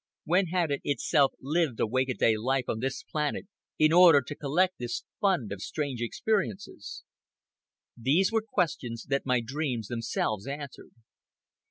When had it itself lived a wake a day life on this planet in order to collect this fund of strange experiences? These were questions that my dreams themselves answered.